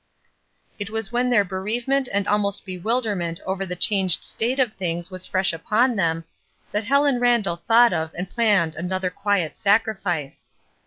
It was when their bereavement and almost bewilderment over the changed state of things was fresh upon them, that Helen Randall thought of and planned another quiet sacrifice.